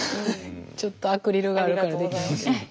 ちょっとアクリルがあるからできない。